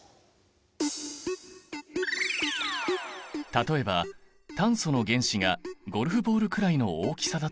例えば炭素の原子がゴルフボールくらいの大きさだったら？